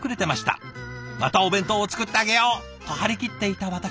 『またお弁当を作ってあげよう！』と張り切っていた私。